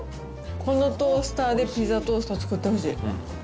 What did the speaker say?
このトースターでピザトースト作ってほしい。